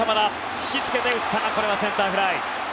引きつけて打ったがこれはセンターフライ。